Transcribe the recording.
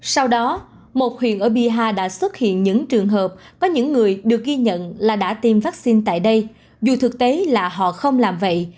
sau đó một huyện ở biaha đã xuất hiện những trường hợp có những người được ghi nhận là đã tiêm vaccine tại đây dù thực tế là họ không làm vậy